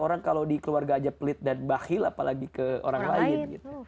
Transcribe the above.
orang kalau di keluarga aja pelit dan bakhil apalagi ke orang lain